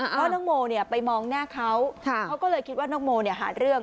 เพราะน้องโมไปมองหน้าเขาเขาก็เลยคิดว่าน้องโมหาเรื่อง